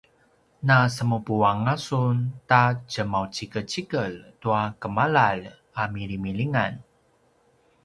nasemupu anga sun ta tjemaucikecikel tua gemalalj a milimilingan?